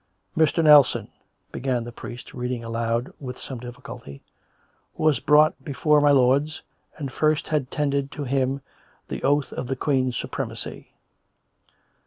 "' Mr. Nelson,' " began the priest, reading aloud with some difficulty, "' was brought before my lords, and first had tendered to him the oath of the Queen's supremacy.